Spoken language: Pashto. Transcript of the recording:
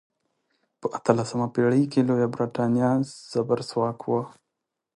په اتلسمه پیړۍ کې لویه بریتانیا زبرځواک وه.